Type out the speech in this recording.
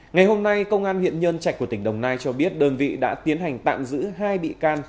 ngày hôm nay công an huyện nhân trạch của tỉnh đồng nai cho biết đơn vị đã tiến hành tạm giữ hai bị can